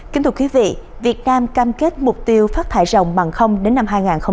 kính thưa quý vị việt nam cam kết mục tiêu phát thải rộng bằng không đến năm hai nghìn năm mươi